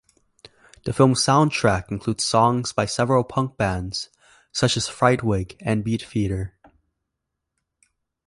The film's soundtrack includes songs by several punk bands such as Frightwig and Beefeater.